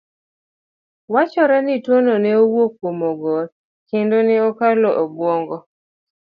Wachore ni tuwono ne wuok kuom ong'or, kendo ne okalo e obwongo